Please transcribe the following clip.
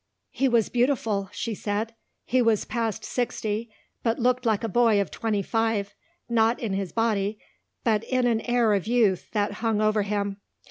"He was beautiful," she said. "He was past sixty but looked like a boy of twenty five, not in his body, but in an air of youth that hung over him.